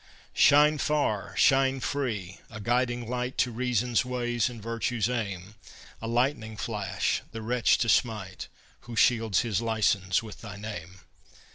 Shine far, shine free, a guiding light To Reason's ways and Virtue's aim, A lightning flash the wretch to smite Who shields his license with thy name!